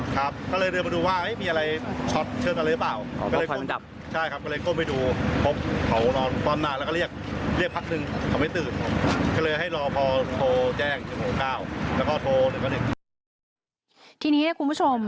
ทีนี้คุณผู้ชม